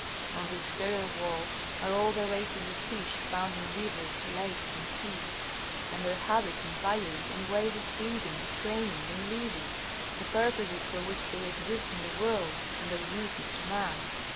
On the exterior wall are all the races of fish found in rivers, lakes, and seas, and their habits and values, and ways of breeding, training, and living, the purposes for which they exist in the world, and their uses to man.